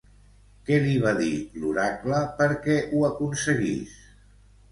Què li va dir l'oracle perquè ho aconseguís?